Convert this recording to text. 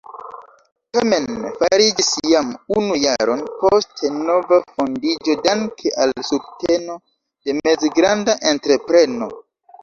Tamen fariĝis jam unu jaron poste nova fondiĝo danke al subteno de mezgranda entrepreno.